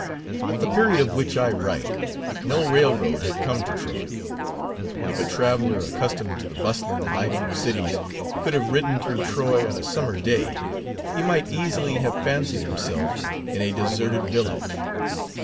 At the period of which I write, no railroad had come to Troy. If a traveler, accustomed to the bustling life of cities, could have ridden through Troy on a summer day, he might easily have fancied himself in a deserted village.